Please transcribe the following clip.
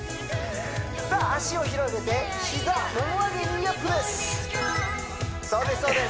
さあ脚を広げて膝もも上げニーアップですそうです